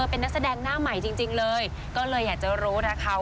๙๐เกอร์๒๐๑๒ค่ะแล้วก็ได้ที่๓มา